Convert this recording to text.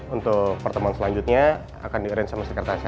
untuk pertemuan selanjutnya akan di arrange sama sekretar saya